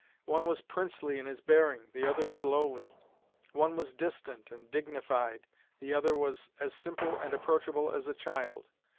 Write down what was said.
One was princely in his bearing; the other was lowly. One was distant and dignified; the other was as simple and approachable as a child.